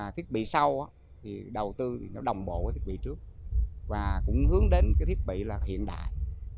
thiết bị sau thì đầu tư đồng bộ với thiết bị trước và cũng hướng đến thiết bị hiện đại